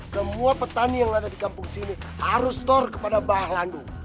semua petani yang ada di kampung sini harus store kepada bah landu